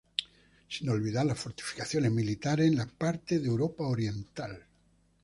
Sin olvidar las fortificaciones militares en la parte de Europa Oriental.